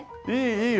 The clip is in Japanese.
いい！